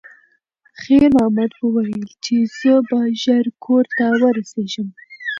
خیر محمد وویل چې زه به ژر کور ته ورسیږم.